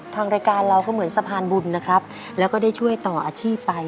ทางรายการเราก็เหมือนสะพานบุญนะครับแล้วก็ได้ช่วยต่ออาชีพไป